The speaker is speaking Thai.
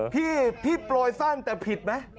พี่โปรยสั้นแต่ผิดไหม